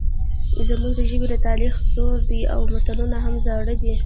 زموږ د ژبې تاریخ زوړ دی او متلونه هم زاړه دي